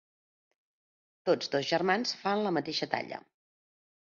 Tots dos germans fan la mateixa talla.